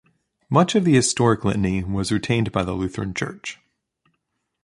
Much of the historic Litany was retained by the Lutheran Church.